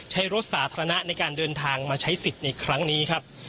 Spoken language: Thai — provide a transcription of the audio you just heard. ใช้รถสาธารณะในการเดินทางมาใช้สิทธิ์ในครั้งนี้ครับ